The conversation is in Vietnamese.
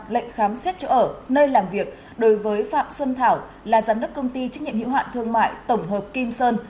lệnh khám xét chỗ ở nơi làm việc đối với phạm xuân thảo là giám đốc công ty trách nhiệm hiệu hạn thương mại tổng hợp kim sơn